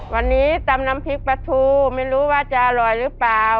วันนี้ตำน้ำพริกปลาทูไม่รู้ว่าจะอร่อยหรือเปล่า